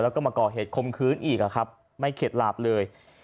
แล้วก็มาก่อเหตุคมคืนอีกไม่เข็ดหลาบเลย